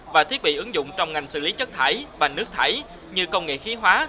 và thiết bị ứng dụng trong ngành xử lý chất thải và nước thải như công nghệ khí hóa